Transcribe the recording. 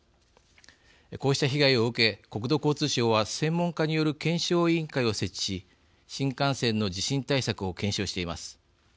こうした被害を受け国土交通省は専門家による検証委員会を設置し新幹線の地震対策を検証しています。